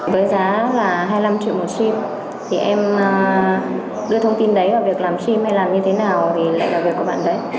với giá là hai mươi năm triệu một sim thì em đưa thông tin đấy và việc làm sim hay làm như thế nào về lại là việc của bạn đấy